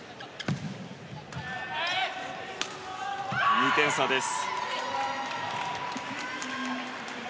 ２点差です。